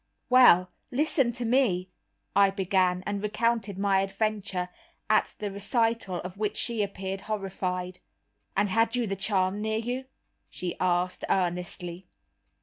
"Well, listen to me," I began, and recounted my adventure, at the recital of which she appeared horrified. "And had you the charm near you?" she asked, earnestly.